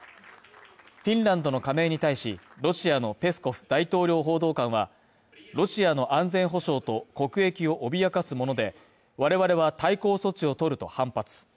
フィンランドの加盟に対し、ロシアのペスコフ大統領報道官は、ロシアの安全保障と国益を脅かすもので、我々は対抗措置を取ると反発。